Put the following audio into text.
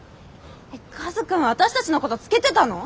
カズくん私たちのことつけてたの？